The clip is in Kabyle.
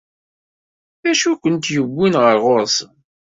D acu i kent-yewwin ɣer ɣur-sen?